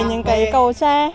những cái cầu tre